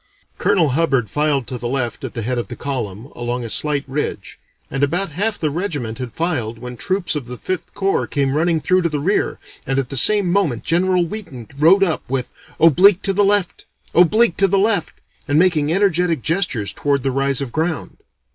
Colonel Hubbard filed to the left at the head of the column along a slight ridge and about half the regiment had filed when troops of the Fifth Corps came running through to the rear and at the same moment General Wheaton rode up with 'oblique to the left, oblique to the left,' and making energetic gestures toward the rise of ground.